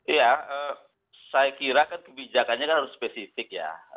ya saya kira kan kebijakannya harus spesifik ya